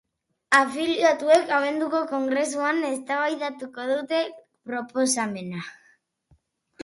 Afiliatuek abenduko kongresuan eztabaidatuko dute proposamena.